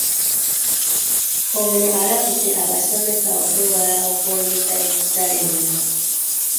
Ono alabudde abasomesa okwewala okwongeza ebisale bino.